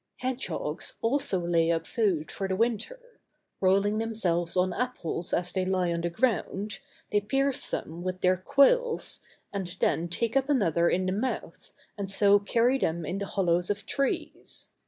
Hedgehogs also lay up food for the winter; rolling themselves on apples as they lie on the ground, they pierce some with their quills, and then take up another in the mouth, and so carry them into the hollows of trees.